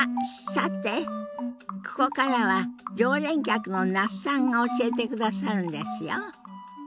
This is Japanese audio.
さてここからは常連客の那須さんが教えてくださるんですよ。